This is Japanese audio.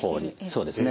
そうですね